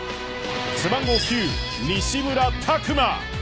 背番号９・西村拓真